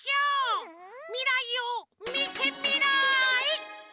みらいをみてみらい！